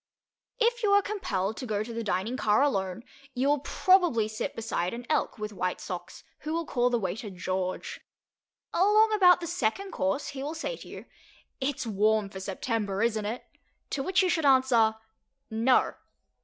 If you are compelled to go to the dining car alone, you will probably sit beside an Elk with white socks, who will call the waiter "George." Along about the second course he will say to you, "It's warm for September, isn't it?" to which you should answer "No."